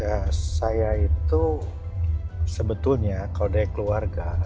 ya saya itu sebetulnya kalau dari keluarga